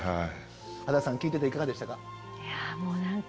羽田さん聞いてていかがでしたか？